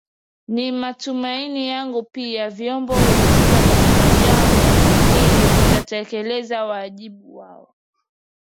Ni matumaini yangu pia vyombo husika katika jambo hili vitatekeleza wajibu wao